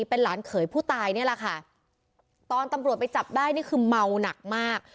เป็นหลานเขยผู้ตายนี่แหละค่ะตอนตำรวจไปจับได้นี่คือเมาหนักมาก